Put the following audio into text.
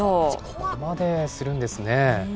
そこまでするんですね。